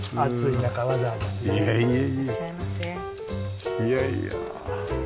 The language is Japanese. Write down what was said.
いやいや。